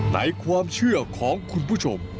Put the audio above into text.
ในความเชื่อของคุณผู้ชม